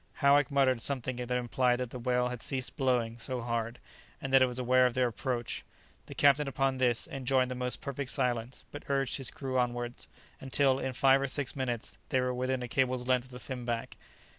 Howick muttered something that implied that the whale had ceased blowing so hard, and that it was aware of their approach; the captain, upon this, enjoined the most perfect silence, but urged his crew onwards, until, in five or six minutes, they were within a cable's length of the finback.